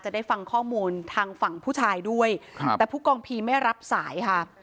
ได้ฟังข้อมูลทางฝั่งผู้ชายด้วยครับแต่ผู้กองพีไม่รับสายค่ะ